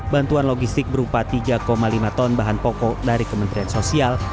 bantuan logistik berupa tiga lima ton bahan pokok dari kementerian sosial